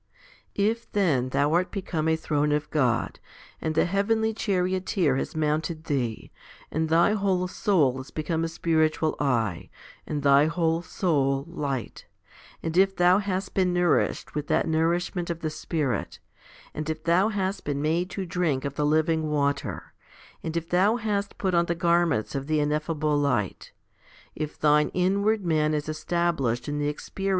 12. If then thou art become a throne of God, and the heavenly Charioteer has mounted thee, and thy whole soul has become a spiritual eye, and thy whole soul light \ and if thou hast been nourished with that nourishment of the Spirit, and if thou hast been made to drink of the Living Water, and if thou hast put on the garments of the ineffable light ; if thine inward man is established in the experience 1 Ps.